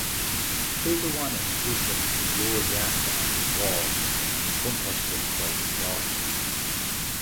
Cé gur bhain an Ghluaiseacht go leor leasa as an gclár, bhí an buntáiste ag dul an dá thaobh.